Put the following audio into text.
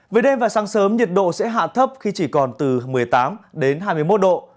về đêm và sáng sớm nhiệt độ sẽ hạ thấp khi chỉ còn từ một mươi tám đến hai mươi một độ